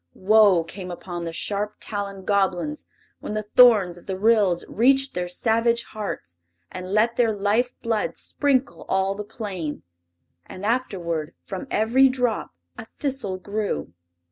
Woe came upon the sharp taloned Goblins when the thorns of the Ryls reached their savage hearts and let their life blood sprinkle all the plain. And afterward from every drop a thistle grew.